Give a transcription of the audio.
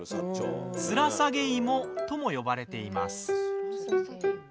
つらさげ芋とも呼ばれています。